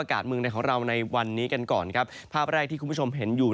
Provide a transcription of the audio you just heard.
เมืองในของเราในวันนี้กันก่อนครับภาพแรกที่คุณผู้ชมเห็นอยู่